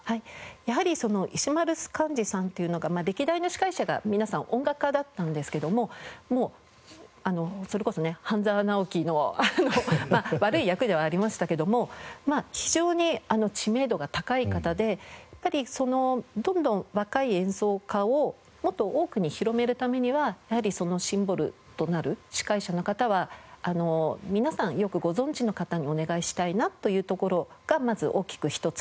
やはりその石丸幹二さんというのが歴代の司会者が皆さん音楽家だったんですけどもそれこそね『半沢直樹』のあの悪い役ではありましたけども非常に知名度が高い方でやはりどんどん若い演奏家をもっと多くに広めるためにはやはりシンボルとなる司会者の方は皆さんよくご存じの方にお願いしたいなというところがまず大きく一つと。